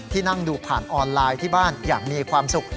นั่งดูผ่านออนไลน์ที่บ้านอย่างมีความสุข